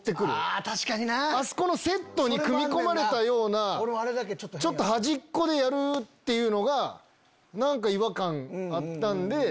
あそこのセットに組み込まれたようなちょっと端っこでやるっていうのが何か違和感あったんで。